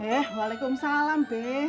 eh waalaikumsalam be